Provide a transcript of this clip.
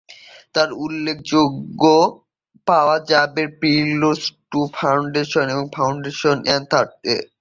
তার উল্লেখ পাওয়া যাবে "প্রিলুড টু ফাউন্ডেশন" এবং "ফাউন্ডেশন এন্ড আর্থ" এ।